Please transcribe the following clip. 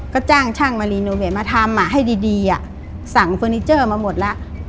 ก็จ้างช่างมารีโนเวทมาทำให้ดีสั่งเฟอร์นิเจอร์มาหมดแล้ว